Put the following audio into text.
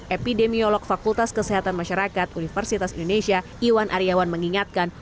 epidemiolog fakultas kesehatan masyarakat universitas indonesia iwan aryawan mengingatkan